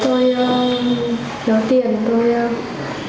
vì là do thời gian dịch dã